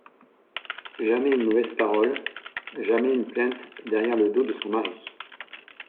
Jamais une mauvaise parole, jamais une plainte derrière le dos de son mari.